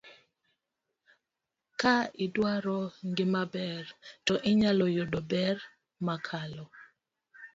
ka idwaro gimaber to inyalo yudo ber mokalo.